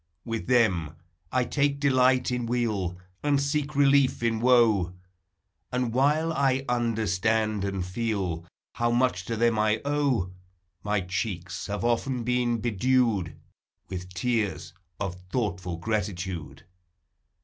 With them I take delight in weal, And seek relief in woe; And while I understand and feel How much to them T owe. My cheeks have often been bedewed With tears of thoughtful gratitude.